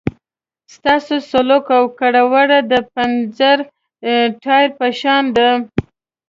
ستاسو سلوک او کړه وړه د پنچر ټایر په شان دي.